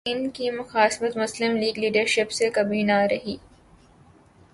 ان کی مخاصمت مسلم لیگ لیڈرشپ سے کبھی نہ رہی۔